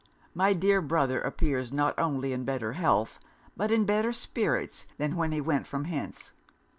My dear brother appears not only in better health, but in better spirits than when he went from hence.